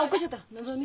のぞみ。